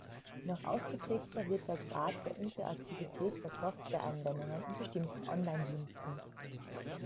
Noch ausgeprägter wird der Grad der Interaktivität bei Software-Anwendungen und bestimmten Online-Diensten.